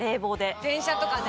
電車とかね。